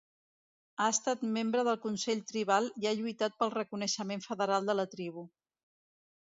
Ha estat membre del Consell tribal i ha lluitat pel reconeixement federal de la tribu.